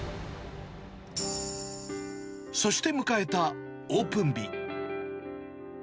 そして迎えたオープン日。